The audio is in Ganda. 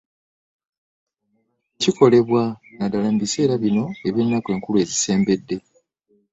Kikolebwa naddala mu biseera bino eby'ennaku enkulu ezisembedde.